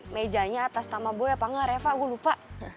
mejanya atas tamaboy apa enggak reva gue lupa